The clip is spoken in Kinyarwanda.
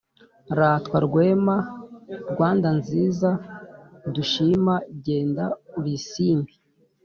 ratwa, rwema, rwanda nziza dushima genda uri isimbi,